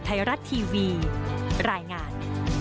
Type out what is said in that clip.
โปรดติดตามตอนต่อไป